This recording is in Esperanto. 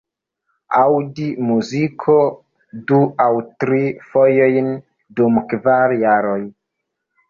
Aŭdi muzikon du aŭ tri fojojn dum kvar jaroj!